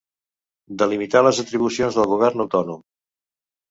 Delimitar les atribucions del govern autònom.